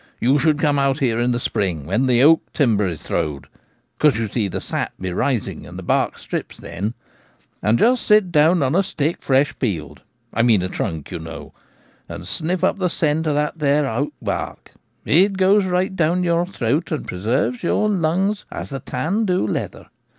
You should come out here in the spring, when the oak timber is throwed (because, you see, the sap be rising, and the bark strips then), and just sit down on a stick fresh peeled — I means a trunk, you know — and sniff up the scent of that there oak bark. It goes right down your throat, and pre serves your lungs as the tan do leather.